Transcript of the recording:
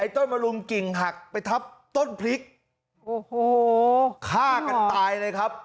ไอ้ต้นบะลุงกิ่งหักไปทับต้นพริกโอ้โหฮู้เครื่องห่อทายเลยครับ